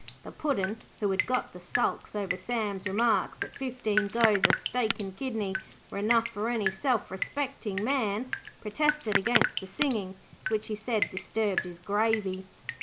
The Puddin', who had got the sulks over Sam's remarks that fifteen goes of steak and kidney were enough for any self respecting man, protested against the singing, which, he said, disturbed his gravy.